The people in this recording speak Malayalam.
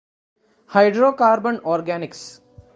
ഹൈഡ്രോകാര്ബണ് ഓര്ഗാനിക്സ്